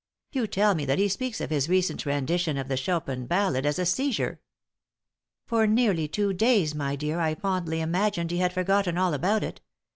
You tell me that he speaks of his recent rendition of the Chopin ballad as 'a seizure.'" "For nearly two days, my dear, I fondly imagined he had forgotten all about it.